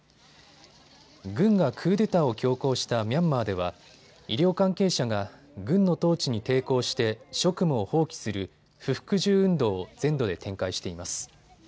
軍がクーデターを強行したミャンマーでは医療関係者が軍の統治に抵抗して職務を放棄する不服従運動を全土で展開しています。